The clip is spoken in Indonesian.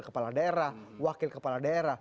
kepala daerah wakil kepala daerah